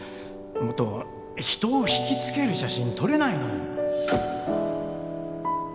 もっと人を惹きつける写真撮れないの？